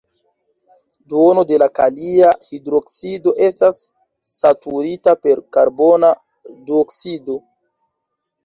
Duono de la kalia hidroksido estas saturita per karbona duoksido.